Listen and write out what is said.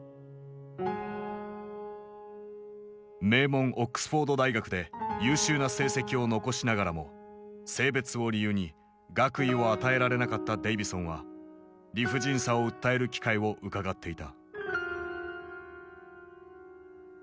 名門オックスフォード大学で優秀な成績を残しながらも性別を理由に学位を与えられなかったデイヴィソンは理不尽さを訴える機会をうかがっていた。